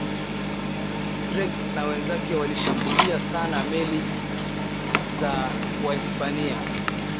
drake na wenzake walishambulia sana meli za wahispania